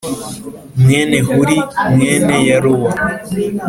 mwene Huri mwene Yarowa